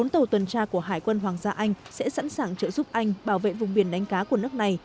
tàu vũ trang của hải quân hoàng gia anh sẽ sẵn sàng trợ giúp anh bảo vệ vùng biển đánh cá của nước này